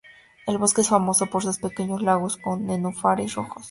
El bosque es famoso por sus pequeños lagos con nenúfares rojos.